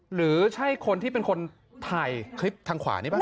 หรือใช่คนที่เป็นคนถ่ายคลิปทางขวานี่ป่